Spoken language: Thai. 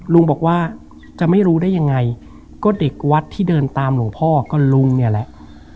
ลุงบอกว่าจะไม่รู้ได้ยังไงก็เด็กวัดที่เดินตามหลวงพ่อก็ลุงเนี่ยแหละ